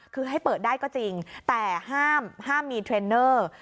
คือให้เปิดได้ก็จริงแต่ห้ามมีเทรนเนอร์